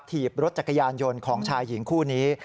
ถีบรถจักรยานยนต์ของชายหญิงคู่นี้